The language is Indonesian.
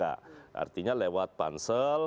artinya lewat pansel